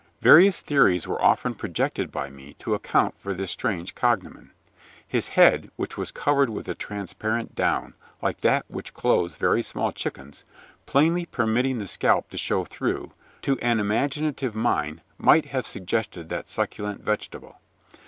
Various theories were often projected by me to account for this strange cognomen. His head, which was covered with a transparent down, like that which clothes very small chickens, plainly permitting the scalp to show through, to an imaginative mind might have suggested that succulent vegetable.